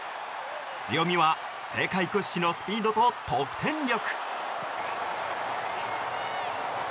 強みは世界屈指のスピードと得点力。